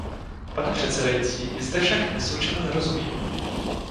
Pane předsedající, je zde však něco, čemu nerozumím.